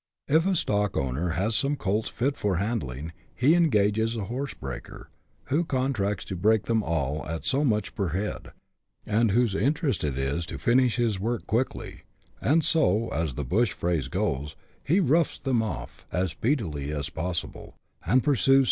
If a stockowner has some colts fit for handling, he engages a horse breaker, who contracts to break them all at so much per head, and whose interest it is to finish his work quickly ; and so, as the bush phrase goes, he " roughs them off" as speedily as possible, and pursues CHAP.